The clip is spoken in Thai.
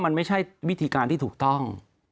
มันไม่ใช่วิธีการที่ถูกต้อง